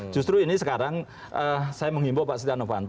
justru ini sekarang saya menghimbau pak setia novanto